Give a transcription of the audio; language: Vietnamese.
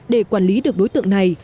để quản lý được đối tượng này